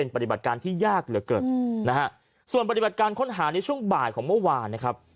ปฏิบัติการที่ยากเหลือเกินนะฮะส่วนปฏิบัติการค้นหาในช่วงบ่ายของเมื่อวานนะครับ